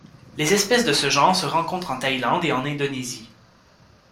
Les espèces de ce genre se rencontrent en Thaïlande et en Indonésie.